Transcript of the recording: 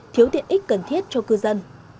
thiếu tiện ích cần thiết cho cư dân